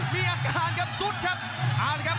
มีอาการครับสุดครับ